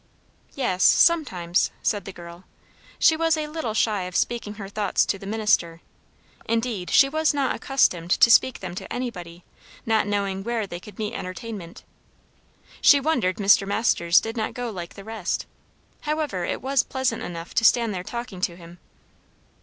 "Yes sometimes," said the girl. She was a little shy of speaking her thoughts to the minister; indeed, she was not accustomed to speak them to anybody, not knowing where they could meet entertainment. She wondered Mr. Masters did not go like the rest; however, it was pleasant enough to stand there talking to him.